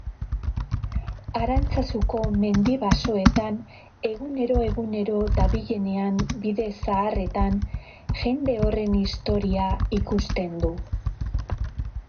Arantzazuko mendi-basoetan egunero-egunero dabilenean bide zaharretan, jende horren historia ikusten du.